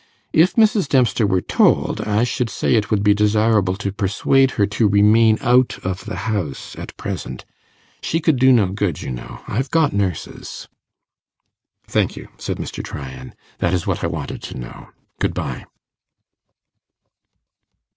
If Mrs. Dempster were told, I should say it would be desirable to persuade her to remain out of the house at present. She could do no good, you know. I've got nurses.' 'Thank you,' said Mr. Tryan. 'That is what I wanted to know. Good bye.